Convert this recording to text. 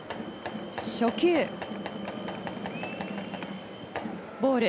初球、ボール。